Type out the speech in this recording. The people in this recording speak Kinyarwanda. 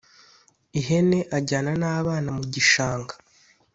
ihene ajyana n’abana mu gishanga